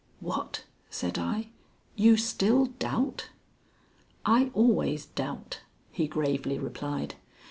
"What," said I, "you still doubt?" "I always doubt," he gravely replied.